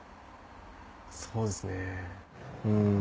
そうですね。